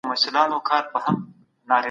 هغه پروژي چي فلج سوي ډېري مهمي وي.